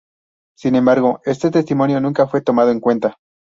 Sin embargo, este testimonio nunca fue tomado en cuenta.